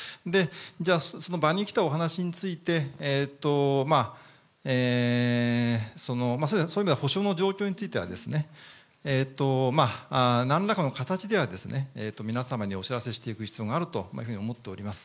じゃあ、場に来たお話について、そういう意味では、補償の状況については、なんらかの形では皆様にお知らせしていく必要があるというふうに思っております。